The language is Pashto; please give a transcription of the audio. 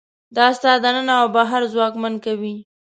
دا ستا دننه او بهر ځواکمن کوي.